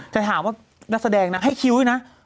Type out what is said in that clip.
ถ้าถามว่ารักษแดงนะให้คิวนะ